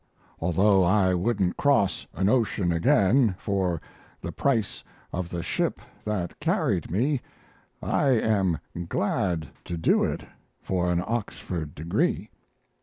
Although I wouldn't cross an ocean again for the price of the ship that carried me I am glad to do it for an Oxford degree.